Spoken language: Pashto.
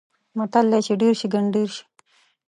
متل: چې ډېر شي؛ ګنډېر شي.